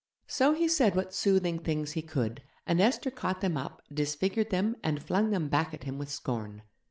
So he said what soothing things he could, and Esther caught them up, disfigured them, and flung them back at him with scorn.